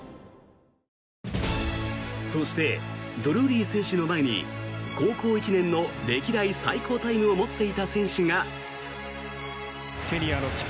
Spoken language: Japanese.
そして、ドルーリー選手の前に高校１年の歴代最高タイムを持っていた選手が。